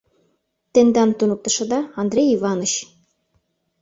Тендан туныктышыда Андрей Иваныч».